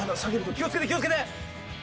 気を付けて気を付けて！